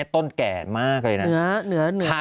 ต้นแก่มากเลยนะ